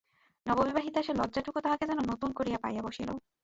নববিবাহিতার সে লজ্জাটুকু তাহাকে যেন নতুন করিয়া পাইয়া বসিল।